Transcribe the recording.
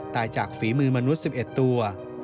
ตายจากฝีมือมนุษย์๑๑ตัว